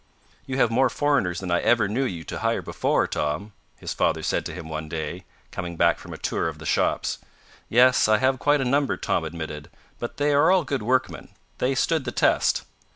"You have more foreigners than I ever knew you to hire before, Tom," his father said to him one day, coming back from a tour of the shops. "Yes, I have quite a number," Tom admitted. "But they are all good workmen. They stood the test."